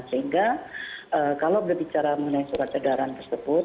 sehingga kalau berbicara mengenai surat edaran tersebut